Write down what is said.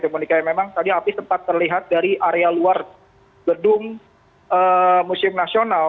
monika memang tadi api sempat terlihat dari area luar gedung museum nasional